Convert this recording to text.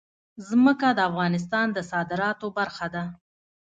ځمکه د افغانستان د صادراتو برخه ده.